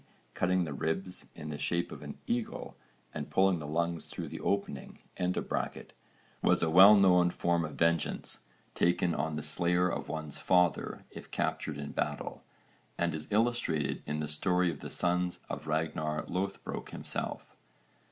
cutting the ribs in the shape of an eagle and pulling the lungs through the opening) was a well known form of vengeance taken on the slayer of one's father if captured in battle, and is illustrated in the story of the sons of Ragnarr Loðbrók himself.